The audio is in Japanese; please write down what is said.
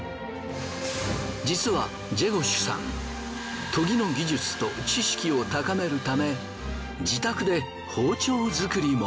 実はジェゴシュさん研ぎの技術と知識を高めるため自宅で包丁づくりも。